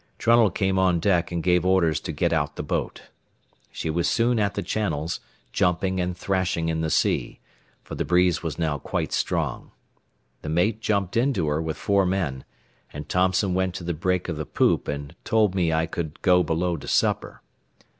Trunnell came on deck and gave orders to get out the boat. She was soon at the channels, jumping and thrashing in the sea, for the breeze was now quite strong. The mate jumped into her with four men, and Thompson went to the break of the poop and told me I could go below to supper.